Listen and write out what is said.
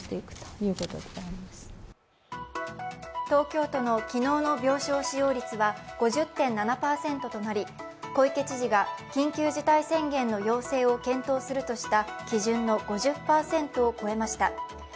東京都の昨日の病床使用率は５０．７％となり、小池知事が緊急事態宣言の要請を検討するとした基準の５０％を超えました。